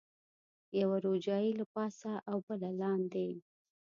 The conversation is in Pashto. یوه روجایۍ له پاسه او بله لاندې.